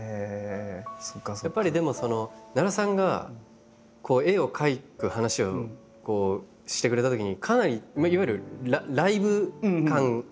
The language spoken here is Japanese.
やっぱりでも奈良さんが絵を描く話をしてくれたときにかなりいわゆるライブ感あるじゃないですか。